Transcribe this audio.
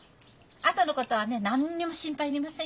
あとのことはね何にも心配いりませんよ。